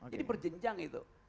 jadi berjenjang itu